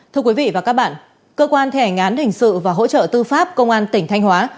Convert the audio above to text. thưa quý vị và các bạn cơ quan thẻ hành án hình sự và hỗ trợ tư pháp công an tỉnh thanh hóa